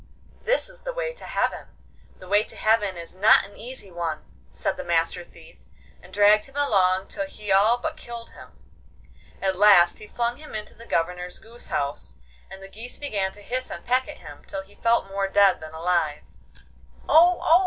'This is the way to heaven. The way to heaven is not an easy one,' said the Master Thief, and dragged him along till he all but killed him. At last he flung him into the Governor's goose house, and the geese began to hiss and peck at him, till he felt more dead than alive. 'Oh! oh!